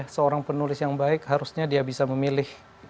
seorang penulis yang baik harusnya dia bisa memilih